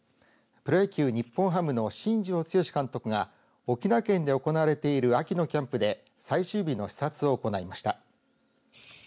プロ野球、日本ハムの新庄剛志監督が沖縄県で行われている秋のキャンプで最終日の視察を行いました。